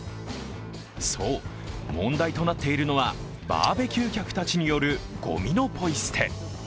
そう、問題となっているのはバーベキュー客たちによるごみのポイ捨て。